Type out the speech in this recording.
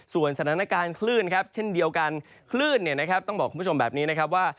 สถานการณ์คลื่นครับเช่นเดียวกันคลื่นเนี่ยนะครับต้องบอกคุณผู้ชมแบบนี้นะครับว่า